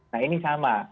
nah ini sama